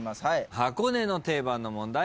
箱根の定番の問題